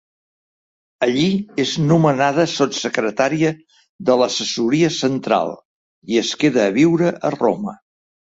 Allí és nomenada sotssecretària de l'Assessoria Central i es queda a viure a Roma.